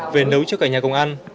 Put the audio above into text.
về nấu cho cả nhà công ăn